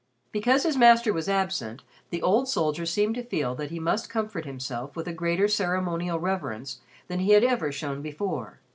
Because his master was absent, the old soldier seemed to feel that he must comfort himself with a greater ceremonial reverance than he had ever shown before.